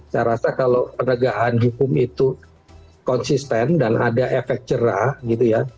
saya rasa kalau penegakan hukum itu konsisten dan ada efek cerah gitu ya